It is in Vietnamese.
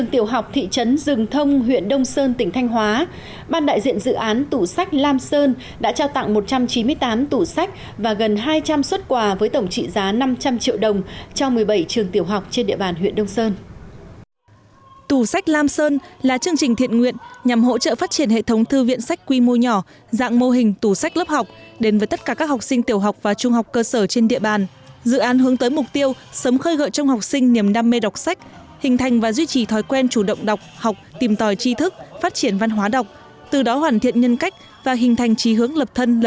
tại trường tiểu học thị trấn rừng thông huyện đông sơn tỉnh thanh hóa